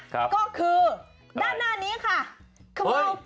ก็คือด้านหน้านี้ค่ะ